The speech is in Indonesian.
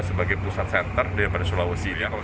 sebagai pusat senter dari sulawesi